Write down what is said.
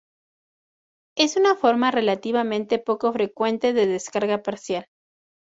Es una forma relativamente poco frecuente de descarga parcial.